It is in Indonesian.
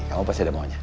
kamu pasti ada maunya